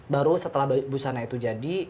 baru setelah busana itu jadi